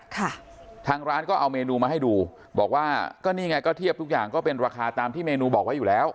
ทางร้านก็เอาเมนูมาให้ดูบอกว่าก็นี่ไงก็เทียบทุกอย่างก็เป็นราคาตามที่เมนูบอกไว้อยู่แล้ว